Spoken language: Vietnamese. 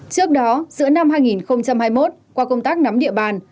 trước đó giữa năm hai nghìn hai mươi một qua công tác nắm địa bàn